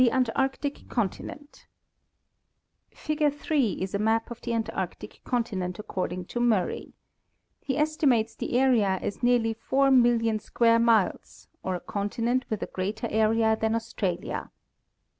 —The Antarctic Continent. The Antarctic Continent—Figure 3 is a map of the Antarctic continent according to Murray. He estimates the area as nearly 4,000,000 square miles, or a continent with a greater area than Australia.